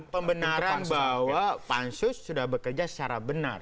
pembenaran bahwa pansus sudah bekerja secara benar